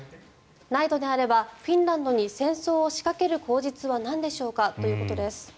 ないのであればフィンランドに戦争を仕掛ける口実はなんでしょうかということです。